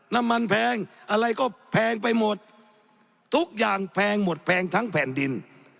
แพงอะไรก็แพงไปหมดทุกอย่างแพงหมดแพงทั้งแผ่นดิน